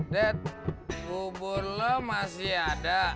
bet hubur lo masih ada